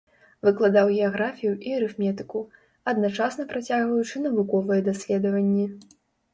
Выкладаў геаграфію і арыфметыку, адначасна працягваючы навуковыя даследаванні.